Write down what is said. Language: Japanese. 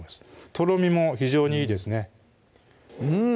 とろみも非常にいいですねうん！